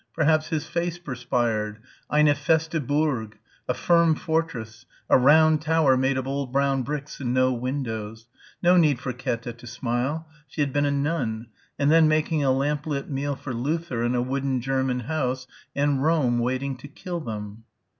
Perhaps his face perspired ... Eine feste Burg; a firm fortress ... a round tower made of old brown bricks and no windows.... No need for Käthe to smile.... She had been a nun ... and then making a lamplit meal for Luther in a wooden German house ... and Rome waiting to kill them.